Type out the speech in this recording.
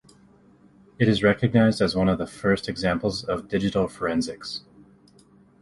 It is recognized as one of the first examples of digital forensics.